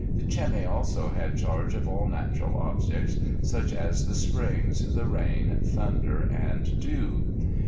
The Cemi also had charge of all natural objects such as the springs, the rain, thunder, and dew.